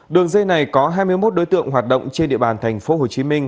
đường dây này có hai mươi một đối tượng hoạt động trên địa bàn thành phố hồ chí minh